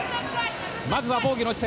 まずは防御の姿勢。